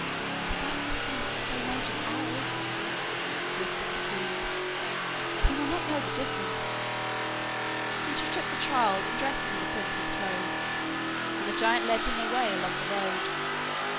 'The butler's son is the same age as ours,' whispered the queen; 'he will not know the difference,' and she took the child and dressed him in the prince's clothes, and the giant let him away along the road.